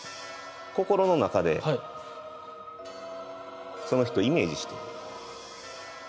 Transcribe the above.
心の中でその人イメージして。